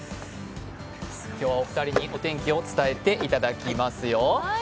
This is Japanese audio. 今日はお二人にお天気を伝えていただきますよ。